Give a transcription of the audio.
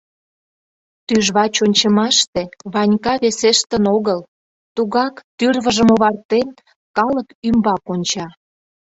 Тӱжвач ончымаште Ванька весештын огыл, тугак, тӱрвыжым овартен, калык ӱмбак онча.